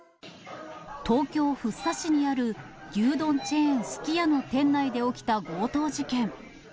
東京・福生市にある牛丼チェーン、すき家の店内で起きた強盗事件。